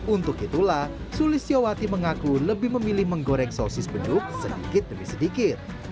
untuk itulah sulistiowati mengaku lebih memilih menggoreng sosis beduk sedikit demi sedikit